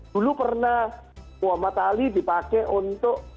dulu pernah muhammad ali dipakai untuk